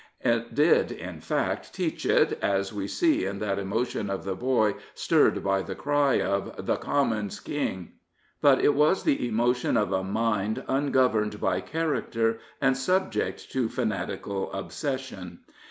It did, in fact, teach it, as we see in that emotion of the boy stirred by the cry of the " Commons' King. " But it was the emotion of a mind ungoverned by character and subject to fanatical obsession.